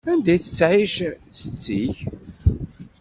Anda i tettɛic setti-k?